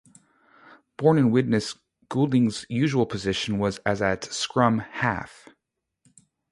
Born in Widnes, Goulding's usual position was as at scrum-half.